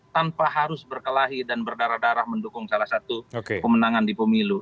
tanpa harus berkelahi dan berdarah darah mendukung salah satu pemenangan di pemilu